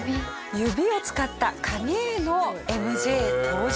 指を使った影絵のＭＪ登場。